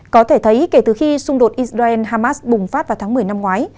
có thể thấy kể từ khi xung đột israel hamas bùng phát vào tháng một mươi năm ngoái